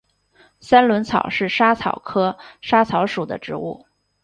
三轮草是莎草科莎草属的植物。